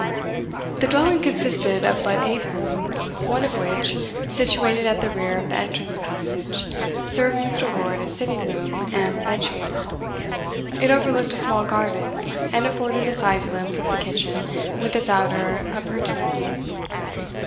The dwelling consisted of but eight rooms, one of which, situated at the rear of the entrance passage, served Mr. Lord as sitting room and bed chamber; it overlooked a small garden, and afforded a side glimpse of the kitchen with its outer appurtenances.